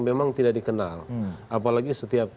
memang tidak dikenal apalagi setiap